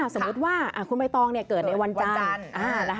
สมมุติว่าคุณใบตองเกิดในวันจันทร์